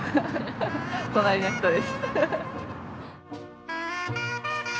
隣の人です。